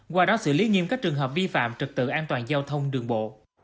qua đó xử lý nghiêm các trường hợp vi phạm trực tự an toàn giao thông đường bộ